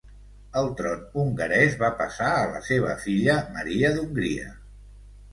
El tron hongarès va passar a la seva filla Maria d'Hongria.